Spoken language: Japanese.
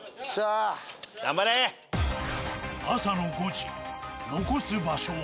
朝の５時残す場所は。